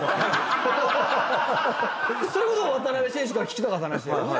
それこそ渡邊選手から聞きたかった話だよね。